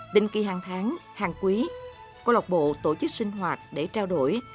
định kỳ hàng tháng hàng quý cơ lộc bộ tổ chức sinh hoạt để trao đổi